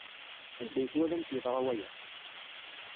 Anda ay twalamt yeḍra waya?